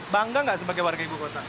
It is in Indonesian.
bangga gak sebagai warga ibu kota